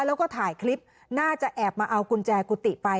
แล้วก็ถ่ายคลิปน่าจะแอบมาเอากุญแจกุฏิไป